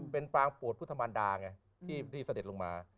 เป็นปางโปรดพุทธมันดาไงที่เสด็จลงมา